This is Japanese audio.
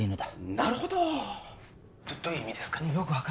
なるほどどういう意味ですか？